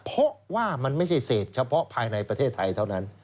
เพราะว่ามันไม่ใช่เสพเฉพาะภายในประเทศไทยเท่านั้น